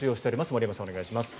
森山さん、お願いします。